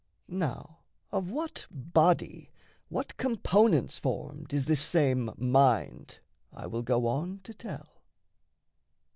Now, of what body, what components formed Is this same mind I will go on to tell.